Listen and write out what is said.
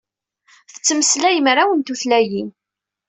Tettmeslay mraw n tutlayin.